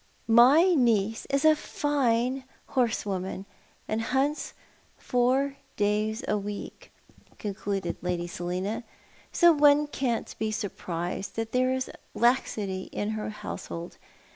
"My niece is a fine horsewoman, and hunts four days a week," concluded Lady Selina, " so one can't be surprised that there is laxity in her household.